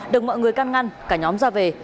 được mọi người căn ngăn cả nhóm ra về